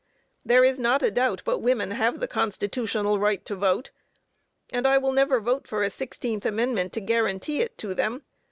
There is not a doubt but women have the constitutional right to vote, and I will never vote for a sixteenth amendment to guarantee it to them.